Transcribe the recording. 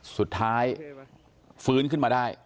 สุดท้ายฟื้นขึ้นมาได้